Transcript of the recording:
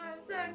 mas aku ingin